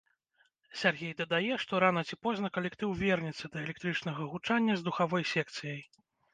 Сяргей дадае, што рана ці позна калектыў вернецца да электрычнага гучання з духавой секцыяй.